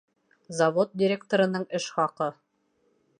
Завод директорының эш хаҡы..